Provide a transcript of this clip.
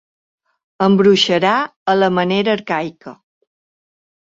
Embruixarà a la manera arcaica.